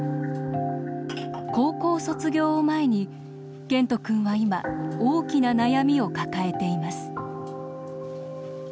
高校卒業を前に健人君は今大きな悩みを抱えています。